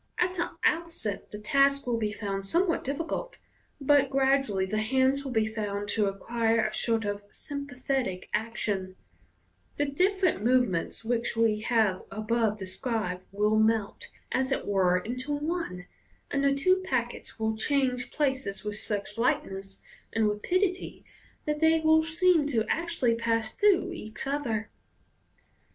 At the outset the task will be found some what difficult, but gradually the hands will be found to acquire a sort of sympathetic action j the different movements which we have above described will melt, as it were, into one, and the two packets will change places with such lightness and rapidity that they will seem to actually pass through each other.